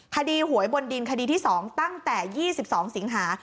หวยบนดินคดีที่๒ตั้งแต่๒๒สิงหา